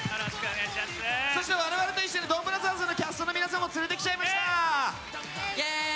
そして我々と一緒に「ドンブラザーズ」のキャストの皆さんもつれてきちゃいました！